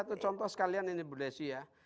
untuk yang tahu sekalian